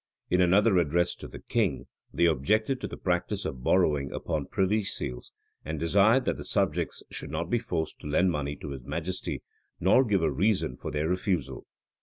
In another address to the king, they objected to the practice of borrowing upon privy seals, and desired that the subjects should not be forced to lend money to his majesty, nor give a reason for their refusal.